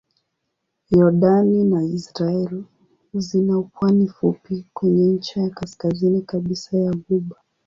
Yordani na Israel zina pwani fupi kwenye ncha ya kaskazini kabisa ya ghuba.